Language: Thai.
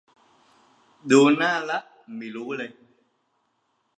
ดูหน้าละไม่รู้